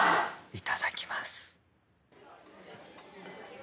いただきます。